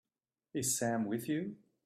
Is Sam with you?